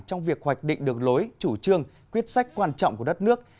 trong việc hoạch định đường lối chủ trương quyết sách quan trọng của đất nước